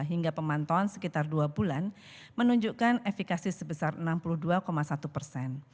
hingga pemantauan sekitar dua bulan menunjukkan efekasi sebesar enam puluh dua satu persen